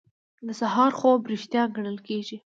د سهار خوب ریښتیا ګڼل کیږي.